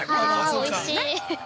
◆おいしい。